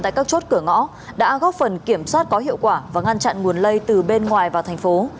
tại các chốt cửa ngõ đã góp phần kiểm soát có hiệu quả và ngăn chặn nguồn lây từ bên ngoài vào thành phố